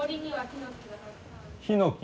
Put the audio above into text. ヒノキ。